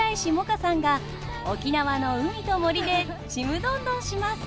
歌さんが沖縄の海と森でちむどんどんします！